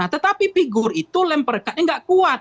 tetapi figur itu lemperkatnya gak kuat